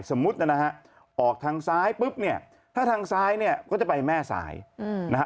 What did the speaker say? สมมุตินะฮะออกทางซ้ายปุ๊บเนี่ยถ้าทางซ้ายเนี่ยก็จะไปแม่สายนะฮะ